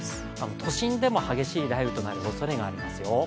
都心でも激しい雷雨となるおそれがありますよ。